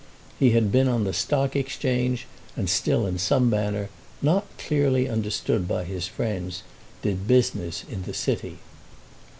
He had been on the Stock Exchange, and still in some manner, not clearly understood by his friends, did business in the City.